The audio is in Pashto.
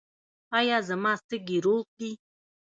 ایا زما سږي روغ دي؟